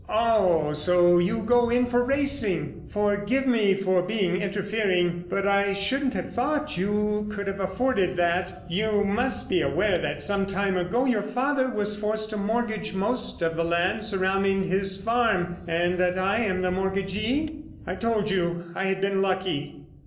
"Oh, so you go in for racing! Forgive me for being interfering, but I shouldn't have thought you could have afforded that. You must be aware that some time ago your father was forced to mortgage most of the land surrounding his farm, and that I am the mortgagee?" "I told you I had been lucky."